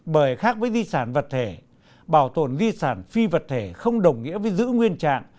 bởi khác với di sản vật thể bảo tồn di sản phi vật thể không đồng nghĩa với giữ nguyên trạng